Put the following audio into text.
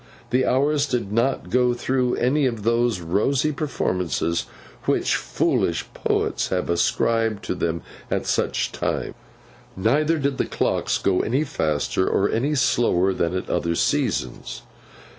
The Hours did not go through any of those rosy performances, which foolish poets have ascribed to them at such times; neither did the clocks go any faster, or any slower, than at other seasons.